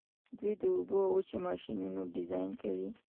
دوی د اوبو او وچې ماشینونه ډیزاین کوي.